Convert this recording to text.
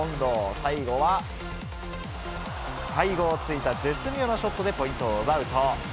最後は背後をついた絶妙なショットでポイントを奪うと。